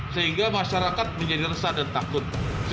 sehingga masyarakat menjadi resah dan takut